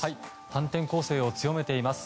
反転攻勢を強めています。